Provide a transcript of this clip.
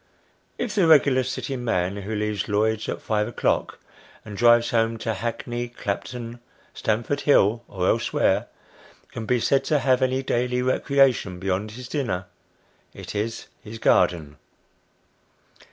If the regular City man, who leaves Lloyd's at five o'clock, and drives home to Hackney, Clapton, Stamford Hill, or elsewhere, can bo said to have any daily recreation beyond his dinner, it is his garden.